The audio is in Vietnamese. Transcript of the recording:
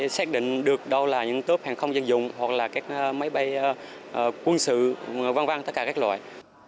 xác định được đâu là những tốp hàng không dân dụng hoặc là các máy bay quân sự văn văn tất cả các loại